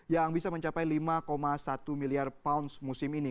yang bisa mencapai lima satu miliar pounds musim ini